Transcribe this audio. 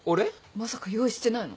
まさか用意してないの？